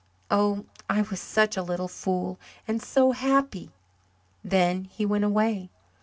Oh, I was such a little fool and so happy. Then he went away.